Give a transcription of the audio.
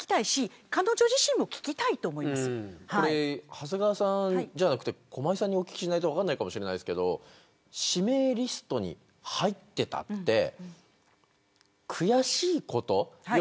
長谷川さんじゃなくて駒井さんに聞かないと分からないかもしれないですけど指名リストに入ってたって悔しいこと。